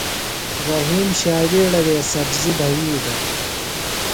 رحیم ݜاوِیڑہ وے سبزیۡ بھیِئی دےۡ۔